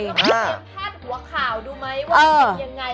ต้องไปเตรียมพาดหัวข่าวดูไหมว่ามันเป็นยังไง